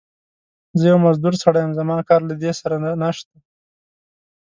زه يو مزدور سړی يم، زما کار له دې سره نشته.